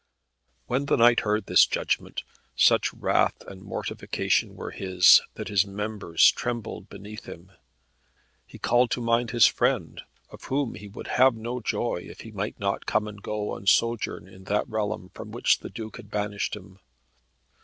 When the knight heard this judgment, such wrath and mortification were his that his members trembled beneath him. He called to mind his friend, of whom he would have no joy, if he might not come and go and sojourn in that realm from which the Duke had banished him.